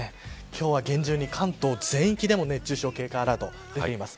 今日は、厳重に関東全域でも熱中症警戒アラート出ています。